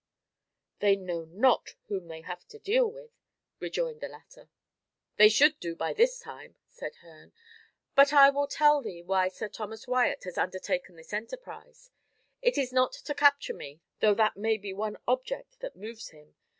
"They know not whom they have to deal with," rejoined the latter. "They should do so by this time," said Herne; "but I will tell thee why Sir Thomas Wyat has undertaken this enterprise. It is not to capture me, though that may be one object that moves him.